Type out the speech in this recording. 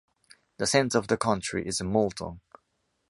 The center of the county is Moulton.